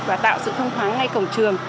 và tạo sự thông thoáng ngay cổng trường